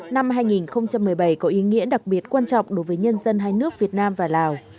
năm hai nghìn một mươi bảy có ý nghĩa đặc biệt quan trọng đối với nhân dân hai nước việt nam và lào